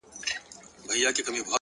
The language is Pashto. د ژوند رنګ د فکر له رنګ بدلېږي,